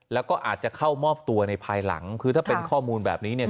แล้วก็อาจจะเข้ามอบตัวในภายหลังคือถ้าเป็นข้อมูลแบบนี้เนี่ย